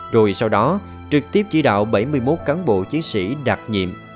rồi sau đó trực tiếp chỉ đạo bảy mươi một cán bộ chiến sĩ đặc nhiệm